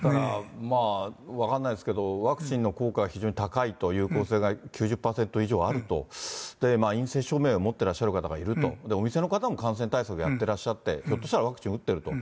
分かんないですけど、ワクチンの効果が非常に高いという、９０％以上あると、陰性証明を持ってらっしゃる方がいると、お店の方も感染対策をやってらっしゃって、ひょっとしたらワクチン打ってると。